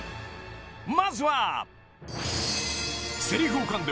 ［まずは］